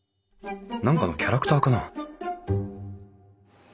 何かのキャラクターかな？